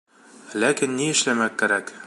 Ләкин ни эшләмәк кәрәк?